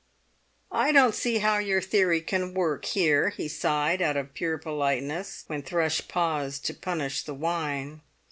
"I don't see how your theory can work there," he sighed, out of pure politeness, when Thrush paused to punish the wine.